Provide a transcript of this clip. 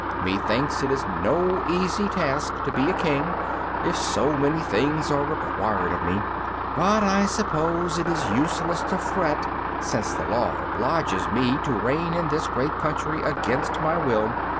Methinks it is no easy task to be a King if so many things are required of me. But I suppose it is useless to fret, since the law obliges me to reign in this great country against my will.